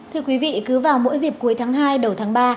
thưa quý vị cứ vào mỗi dịp cuối tháng hai đầu tháng ba